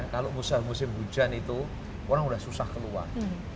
kalau musim hujan itu orang sudah susah keluar